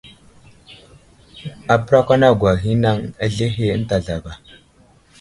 Apərakwanarogwa ghay i anaŋ azlehe ənta zlaba.